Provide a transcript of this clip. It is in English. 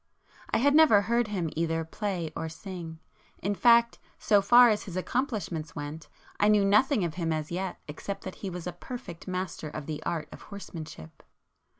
I had never heard him either play or sing; in fact so far as his accomplishments went, I knew nothing of him as yet except that he was a perfect master of the art of horsemanship.